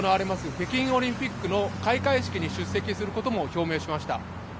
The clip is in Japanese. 北京オリンピックの開会式に出席することも表明しました。